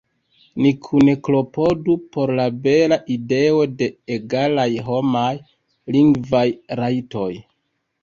Ni kune klopodu por la bela ideo de egalaj homaj lingvaj rajtoj!